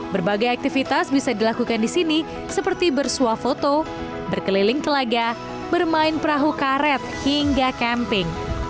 berbagai aktivitas bisa dilakukan di sini seperti bersuah foto berkeliling telaga bermain perahu karet hingga camping